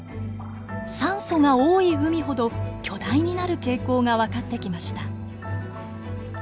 酸素が多い海ほど巨大になる傾向が分かってきました。